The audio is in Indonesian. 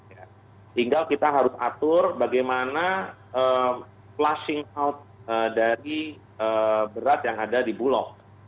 sehingga kita harus atur bagaimana flushing out dari beras yang ada di bulog